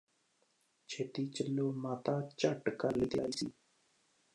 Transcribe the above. ਛੇਤੀ ਚੱਲੋ ਮਾਤਾ ਝੱਟ ਕਰ ਲਈ ਤਿਆਰੀ ਸੀ